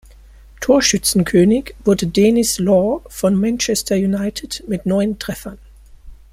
Torschützenkönig wurde Denis Law von Manchester United mit neun Treffern.